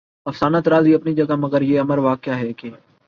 افسانہ طرازی اپنی جگہ مگر یہ امر واقعہ ہے کہ